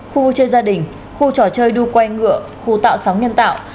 khu chơi gia đình khu trò chơi đu que ngựa khu tạo sóng nhân tạo